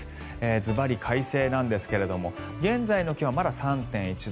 ズバリ快晴なんですけれども現在の気温はまだ３．１度。